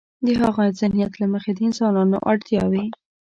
د هاغه ذهنیت له مخې د انسانانو اړتیاوې.